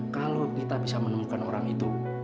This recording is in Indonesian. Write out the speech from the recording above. kalau kita bisa menemukan orang itu